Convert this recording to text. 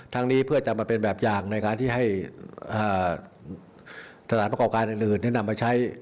นี้เพื่อจะมาเป็นแบบอย่างในการที่ให้สถานประกอบการอื่นนำมาใช้